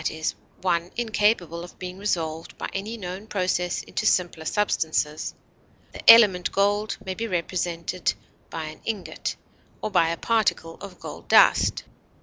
e._, one incapable of being resolved by any known process into simpler substances; the element gold may be represented by an ingot or by a particle of gold dust.